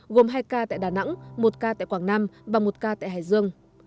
gồm hai ca tại đà nẵng một ca tại quảng nam và một ca tại hải dương